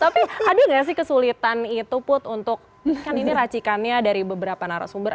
tapi ada nggak sih kesulitan itu put untuk kan ini racikannya dari beberapa narasumber